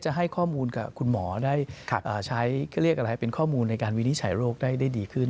ให้ข้อมูลกับคุณหมอได้ใช้ก็เรียกอะไรเป็นข้อมูลในการวินิจฉัยโรคได้ดีขึ้น